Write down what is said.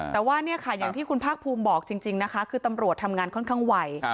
แต่ว่าเนี่ยค่ะอย่างที่คุณภาคภูมิบอกจริงนะคะคือตำรวจทำงานค่อนข้างไว